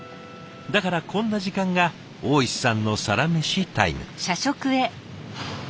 だからこんな時間が大石さんのサラメシタイム。